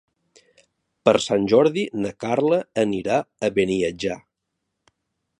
Per Sant Jordi na Carla anirà a Beniatjar.